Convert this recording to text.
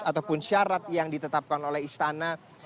ataupun syarat yang ditetapkan oleh istana